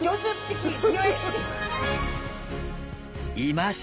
いました！